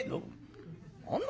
「何だ